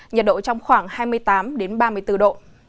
nhiệt độ trong khoảng hai mươi tám ba mươi bốn độ